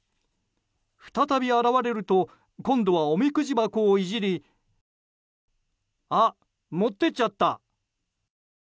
再び現れると今度はおみくじ箱をいじりあ、持ってっちゃった。